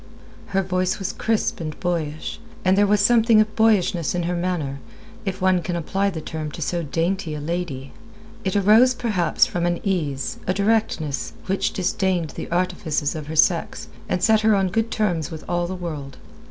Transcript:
Her voice was crisp and boyish, and there was something of boyishness in her manner if one can apply the term to so dainty a lady. It arose perhaps from an ease, a directness, which disdained the artifices of her sex, and set her on good terms with all the world.